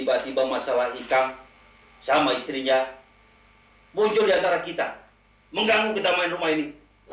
apa lagi tiba tiba masalah ikang sama istrinya muncul di antara kita mengganggu kedamaian rumah ini